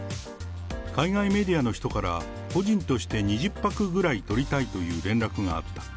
海外メディアの人から、個人として２０泊くらい取りたいという連絡があった。